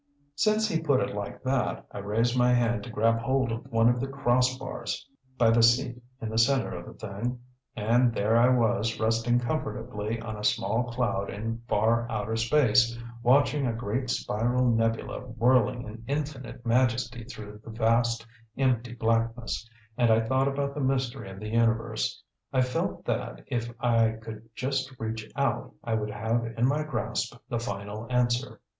Since he put it like that, I raised my hand to grab hold of one of the cross bars by the seat in the center of the thing and there I was resting comfortably on a small cloud in far outer space, watching a great spiral nebula whirling in infinite majesty through the vast, empty blackness, and I thought about the mystery of the universe. I felt that if I could just reach out, I would have in my grasp the final answer.